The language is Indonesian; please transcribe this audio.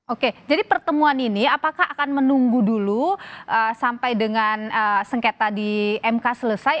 oke jadi pertemuan ini apakah akan menunggu dulu sampai dengan sengketa di mk selesai